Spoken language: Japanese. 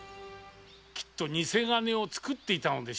きっと偽金を作っていたのでしょう。